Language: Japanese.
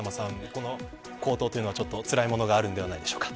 この高騰はつらいものがあるんではないでしょうか。